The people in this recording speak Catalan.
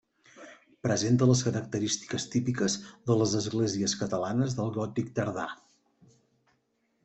Presenta les característiques típiques de les esglésies catalanes del gòtic tardà.